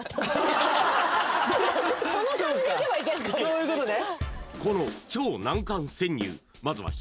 そういうことね